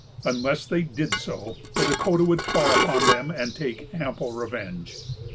Unless they did so, the Dahcotah would fall upon them, and take ample revenge.